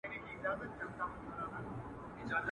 بس يوازي خوښي خپلي يې كيسې وې.